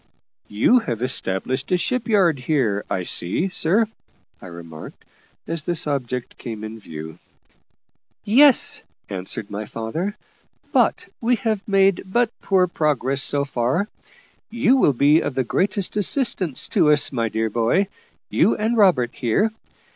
"You have established a ship yard here, I see, sir," I remarked, as this object came in view. "Yes," answered my father; "but we have made but poor progress, so far. You will be of the greatest assistance to us, my dear boy you and Robert here.